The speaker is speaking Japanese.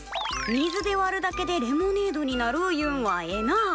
水で割るだけでレモネードになるいうんはええなあ。